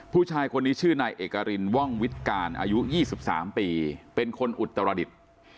ผู้ชายคนนี้ชื่อนายเอกรินว่องวิทย์การอายุ๒๓ปีเป็นคนอุตรดิษฐ์